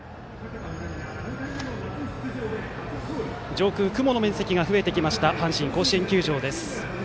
上空雲の面積が増えてきました阪神甲子園球場です。